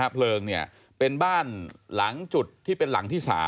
เพลิงเป็นบ้านหลังจุดที่เป็นหลังที่๓